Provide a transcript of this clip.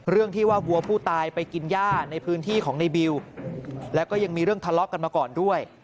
เรื่องที่ว่าวัวผู้ตายไปกินย่าในพื้นที่ของในบิวแล้วก็ยังมีเรื่องทะเลาะกันมาก่อนด้วย